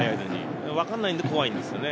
わからないんで、怖いんですよね。